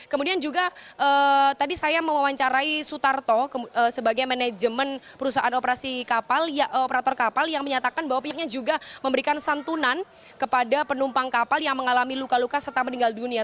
kemudian juga tadi saya mewawancarai sutarto sebagai manajemen perusahaan operasi kapal operator kapal yang menyatakan bahwa pihaknya juga memberikan santunan kepada penumpang kapal yang mengalami luka luka serta meninggal dunia